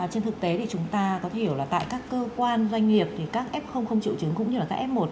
trên thực tế thì chúng ta có hiểu là tại các cơ quan doanh nghiệp thì các f không triệu chứng cũng như là các f một